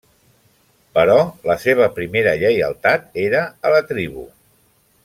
Però la seva primera lleialtat era a la tribu.